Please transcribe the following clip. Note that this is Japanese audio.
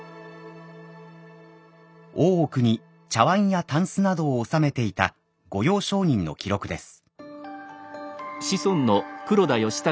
大奥に茶わんやたんすなどを納めていた御用商人の記録です。